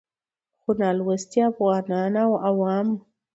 خو نالوستي افغانان او عوام